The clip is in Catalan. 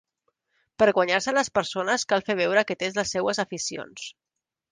Per guanyar-se les persones cal fer veure que tens les seues aficions.